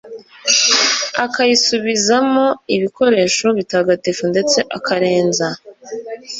akayisubizamo ibikoresho bitagatifu ndetse akarenza